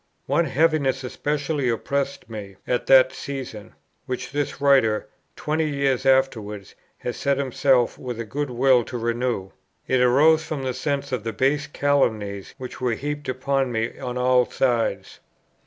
One heaviness especially oppressed me at that season, which this Writer, twenty years afterwards, has set himself with a good will to renew: it arose from the sense of the base calumnies which were heaped upon me on all sides.